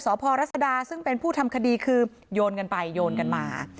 พรัศดาซึ่งเป็นผู้ทำคดีคือโยนกันไปโยนกันมา